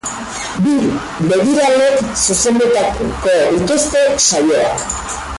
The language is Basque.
Bi begiralek zuzenduko dituzte saioak.